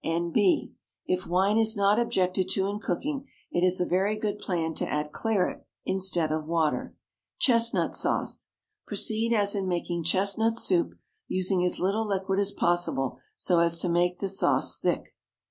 N.B. If wine is not objected to in cooking, it is a very good plan to add claret instead of water. CHESTNUT SAUCE. Proceed as in making chestnut soup, using as little liquid as possible, so as to make the sauce thick.